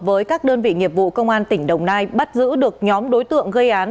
với các đơn vị nghiệp vụ công an tỉnh đồng nai bắt giữ được nhóm đối tượng gây án